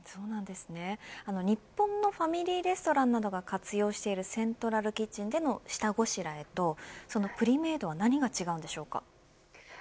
日本のファミリーレストランなどが活用しているセントラルキッチンでの下ごしらえとプリメイドは何が違うんでしょうか。